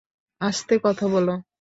আস্তে কথা বলো।